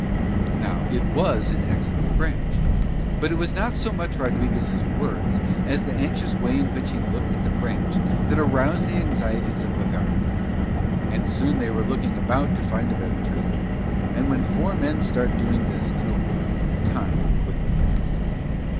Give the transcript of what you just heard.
Now it was an excellent branch. But it was not so much Rodriguez' words as the anxious way in which he looked at the branch that aroused the anxieties of la Garda: and soon they were looking about to find a better tree; and when four men start doing this in a wood time quickly passes.